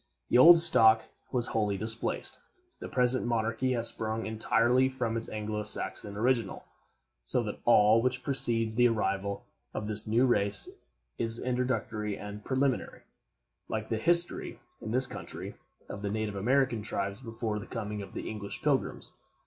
The old stock was wholly displaced. The present monarchy has sprung entirely from its Anglo Saxon original; so that all which precedes the arrival of this new race is introductory and preliminary, like the history, in this country, of the native American tribes before the coming of the English Pilgrims.